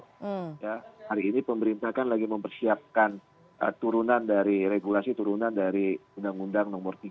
hari ini pemerintah kan lagi mempersiapkan turunan dari regulasi turunan dari undang undang nomor tiga tahun dua ribu dua puluh dua ini